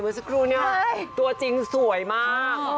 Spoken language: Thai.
สักครู่เนี่ยตัวจริงสวยมาก